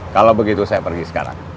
kalau begitu saya pergi sekarang